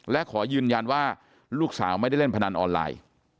และขอยืนยันว่าลูกสาวไม่ได้เล่นพนันออนไลน์